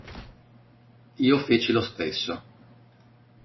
Io feci lo stesso.